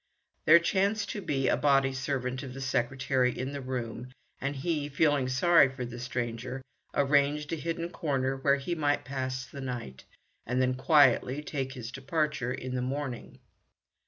There chanced to be a body servant of the secretary in the room, and he, feeling sorry for the stranger, arranged a hidden corner where he might pass the night, and then quietly take his departure in the morning.